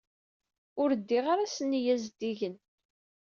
Ur ddiɣ ara s nneyya zeddigen.